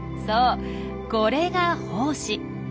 そうこれが胞子。